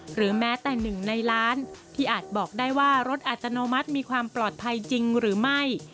หรือแม้แต่หนึ่งในล้านที่อาจบอกได้ว่ารถอัตโนมัติมีความปลอดภัยจริงหรือไม่